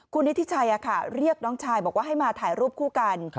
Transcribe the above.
คุณนิทิชัยเรียกน้องชายบอกว่าให้มาถ่ายรูปคู่กัน